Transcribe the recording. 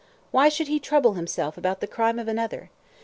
Why should he trouble himself about the crime of another?